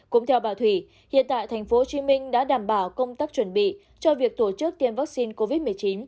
cũng theo bà thủy hiện tại tp hcm đã đảm bảo công tác chuẩn bị cho việc tổ chức tiêm vaccine covid một mươi chín